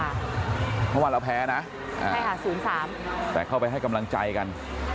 ใช่ค่ะเมื่อวานเราแพ้นะอ่าใช่ค่ะศูนย์สามแต่เข้าไปให้กำลังใจกัน